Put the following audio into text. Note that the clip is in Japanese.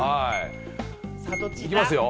行きますよ。